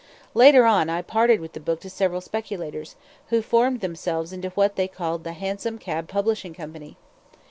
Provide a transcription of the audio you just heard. Later on I parted with the book to several speculators, who formed themselves into what they called "The Hansom Cab Publishing Company."